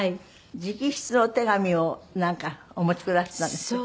直筆のお手紙をなんかお持ちくだすったんですって？